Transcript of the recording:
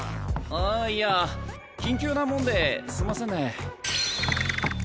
ああいや緊急なもんですんませんね。